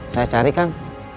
saya cari kang